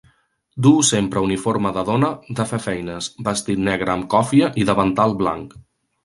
Duu sempre uniforme de dona de fer feines: vestit negre amb còfia i davantal blanc.